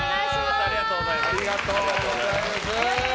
ありがとうございます。